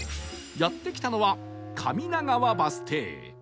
やって来たのは上長和バス停